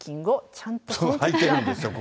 ちゃんと履いてるんですよ。